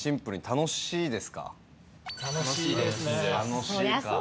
楽しいか。